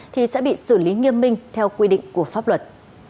thì sẽ bị xử lý nghiêm minh theo quy định của pháp luật